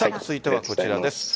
続いてはこちらです。